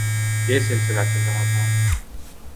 یہ سلسلہ چل رہا تھا۔